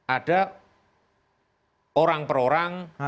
ada orang per orang